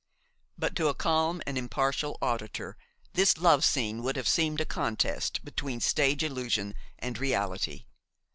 But, to a calm and impartial auditor, this love scene would have seemed a contest between stage illusion and reality.